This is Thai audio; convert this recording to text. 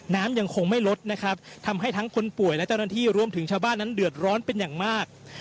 น้ำยังคงไม่ลดนะครับทำให้ทั้งคนป่วยและเจ้าหน้าที่รวมถึงชาวบ้านนั้นเดือดร้อนเป็นอย่างมาก